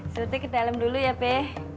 suti ke dalem dulu ya pe